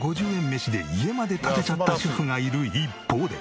メシで家まで建てちゃった主婦がいる一方で。